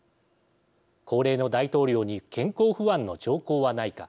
高齢の大統領に健康不安の兆候はないか。